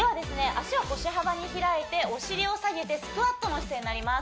足を腰幅に開いてお尻を下げてスクワットの姿勢になります